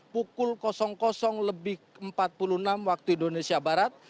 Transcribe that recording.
pukul empat puluh enam waktu indonesia barat